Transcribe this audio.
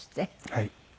はい。